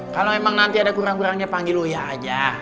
kalau emang nanti ada kurang kurangnya panggil uya aja